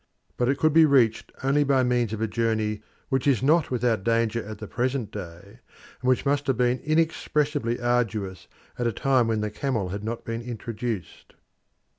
But it could be reached only by means of a journey which is not without danger at the present day, and which must have been inexpressibly arduous at a time when the camel had not been introduced.